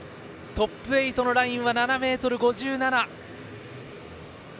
トップ８のラインは７ｍ５７。